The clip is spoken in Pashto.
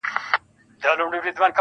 سرې سترگي به په روڼ سهار و يار ته ور وړم